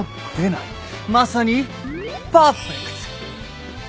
まさにパーフェクト。